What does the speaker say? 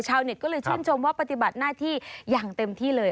ชาวเน็ตก็เลยชื่นชมว่าปฏิบัติหน้าที่อย่างเต็มที่เลย